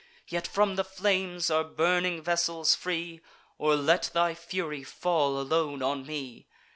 Yet from the flames our burning vessels free, Or let thy fury fall alone on me!